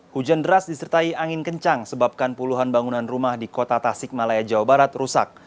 hujan deras disertai angin kencang sebabkan puluhan bangunan rumah di kota tasik malaya jawa barat rusak